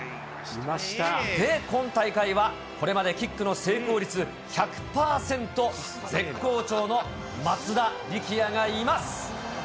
で、今大会は、これまでキックの成功率１００％、絶好調の松田力也がいます。